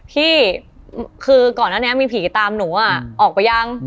พี่คือก่อนอันนี้มีผีตามหนูออกไปยัง